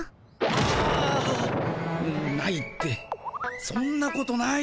あ！なないってそんなことないだろ？